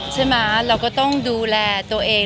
ใช่ไหมเราก็ต้องดูแลตัวเอง